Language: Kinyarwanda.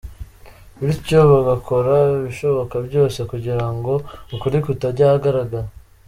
Bityo bagakora ibishoboka byose kugira ngo ukuri kutajya ahagaragara.